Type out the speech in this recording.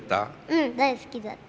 うん大好きだった。